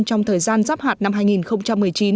trong thời gian giáp hạt năm hai nghìn một mươi chín